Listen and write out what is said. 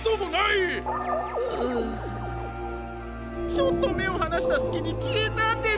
ちょっとめをはなしたすきにきえたんです。